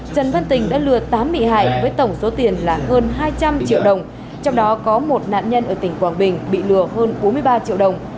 trần văn tình đã lừa tám bị hại với tổng số tiền là hơn hai trăm linh triệu đồng trong đó có một nạn nhân ở tỉnh quảng bình bị lừa hơn bốn mươi ba triệu đồng